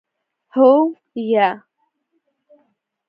هو 👍 یا 👎